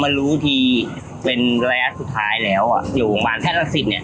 เรามันรู้ที่เป็นแลสสุดท้ายแล้วอะอยู่ข้างบ้านแท่นศริษย์เนี้ย